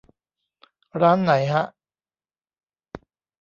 ร้านไหนฮะ